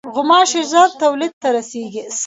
غوماشې ژر تولید ته رسېږي.